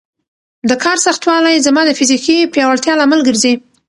د کار سختوالی زما د فزیکي پیاوړتیا لامل ګرځي.